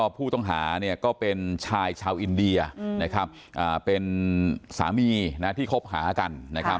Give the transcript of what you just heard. ผู้ต้องหาก็เป็นชายชาวอินเดียเป็นสามีที่คบหากันนะครับ